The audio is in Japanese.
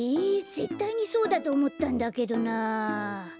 ぜったいにそうだとおもったんだけどな！